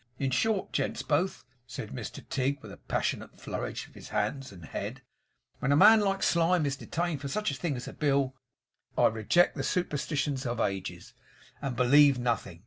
In short, gents both,' said Mr Tigg with a passionate flourish of his hands and head, 'when a man like Slyme is detained for such a thing as a bill, I reject the superstitions of ages, and believe nothing.